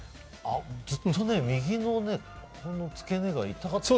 ずっと右の付け根が痛かったの。